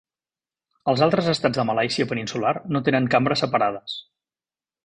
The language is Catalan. Els altres estats de Malàisia Peninsular no tenen cambres separades.